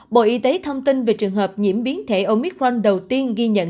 bộ y tế thông tin về trường hợp nhiễm biến thể omitron đầu tiên ghi nhận